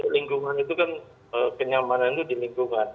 lingkungan itu kan kenyamanan itu di lingkungan